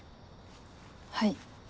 はい。